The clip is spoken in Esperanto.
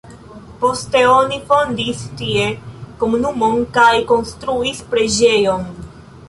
Poste oni fondis tie komunumon kaj konstruis preĝejon.